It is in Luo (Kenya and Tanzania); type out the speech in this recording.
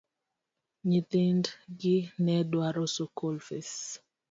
Nyithind gi ne dwaro skul fis.